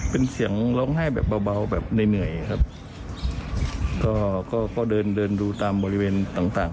เป็นเสียงร้องไห้แบบเบาแบบเหนื่อยก็เดินดูตามบริเวณต่าง